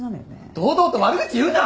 堂々と悪口言うな！